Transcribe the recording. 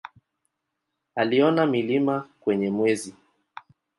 Aliona milima kwenye Mwezi.